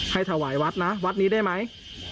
ถวายวัดนะวัดนี้ได้ไหม